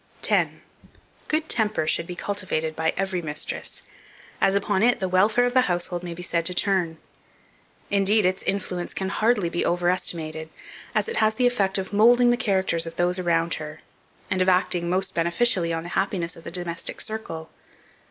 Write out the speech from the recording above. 10. GOOD TEMPER SHOULD BE CULTIVATED by every mistress, as upon it the welfare of the household may be said to turn; indeed, its influence can hardly be over estimated, as it has the effect of moulding the characters of those around her, and of acting most beneficially on the happiness of the domestic circle.